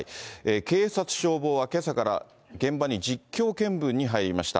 警察、消防はけさから現場に実況見分に入りました。